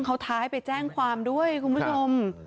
เขาท้าให้ไปแจ้งความด้วยคุณผู้ชม